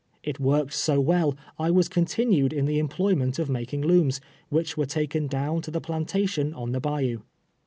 It "worked so well, I was continued in the employment of making looms, which were taken down to the plantation on the bayou.